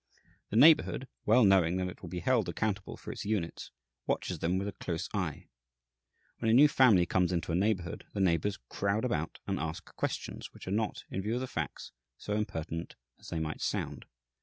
The neighbourhood, well knowing that it will be held accountable for its units, watches them with a close eye. When a new family comes into a neighbourhood, the neighbours crowd about and ask questions which are not, in view of the facts, so impertinent as they might sound.